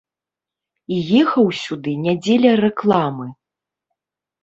І ехаў сюды не дзеля рэкламы.